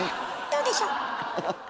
どうでしょう？